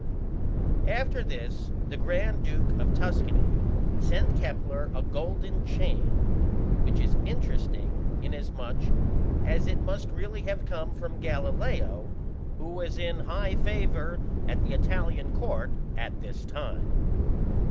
After this, the Grand Duke of Tuscany sent Kepler a golden chain, which is interesting inasmuch as it must really have come from Galileo, who was in high favour at the Italian Court at this time.